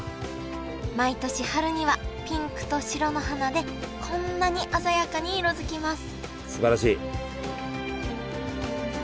毎年春にはピンクと白の花でこんなに鮮やかに色づきますすばらしい！